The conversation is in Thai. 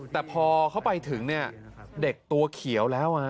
แต่พอเขาเข้าไปถึงเด็กตัวเขียว